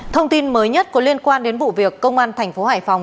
thông tin mới nhất có liên quan đến vụ việc công an thành phố hải phòng